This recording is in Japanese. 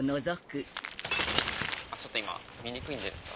ちょっと見にくいんで。